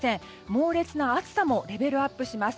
猛烈な暑さもレベルアップします。